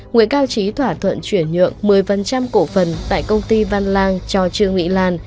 nguyễn cao trí thỏa thuận chuyển nhượng một mươi cổ phần tại công ty văn lang cho trương mỹ lan